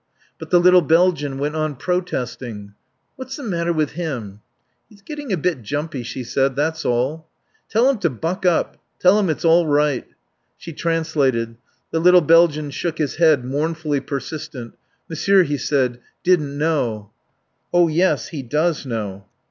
But the little Belgian went on protesting. "What's the matter with him?" "He's getting a bit jumpy," she said, "that's all." "Tell him to buck up. Tell him it's all right." She translated. The little Belgian shook his head, mournfully persistent. "Monsieur," he said, "didn't know." "Oh yes, he does know."